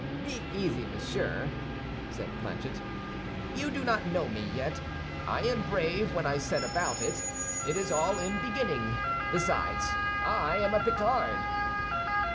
"Be easy, monsieur," said Planchet; "you do not know me yet. I am brave when I set about it. It is all in beginning. Besides, I am a Picard."